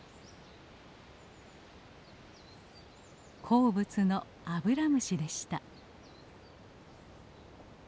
好物のアブラムシでした。